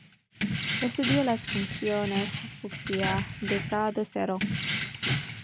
Estudió las "funciones fucsia" de grado cero.